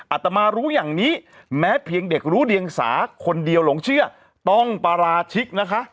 อาตมารู้อย่างนี้แม้เพียงเด็กรู้เดียงสาคนเดียวหลงเชื่อต้องปราชิกนะคะ